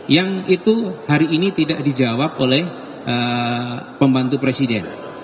yang itu hari ini tidak dijawab oleh pembantu presiden